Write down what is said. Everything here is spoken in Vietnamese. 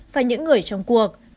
và những người trong cuộc